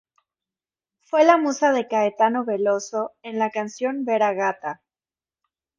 Fue la musa de Caetano Veloso en la canción "Vera Gata".